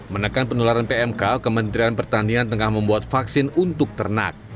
menekan penularan pmk kementerian pertanian tengah membuat vaksin untuk ternak